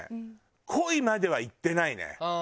恋まではいってないね。